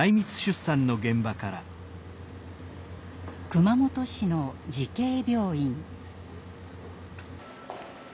熊本市の慈恵病院。